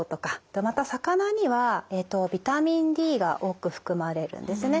でまた魚にはビタミンＤが多く含まれるんですね。